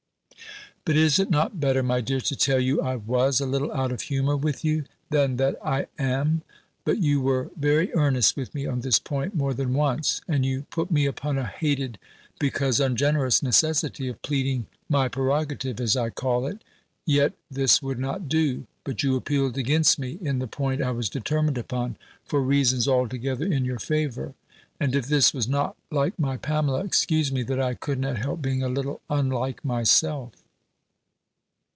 "But is it not better, my dear, to tell you I was a little out of humour with you, than that I am? But you were very earnest with me on this point more than once; and you put me upon a hated, because ungenerous, necessity of pleading my prerogative, as I call it; yet this would not do, but you appealed against me in the point I was determined upon, for reasons altogether in your favour: and if this was not like my Pamela, excuse me, that I could not help being a little unlike myself."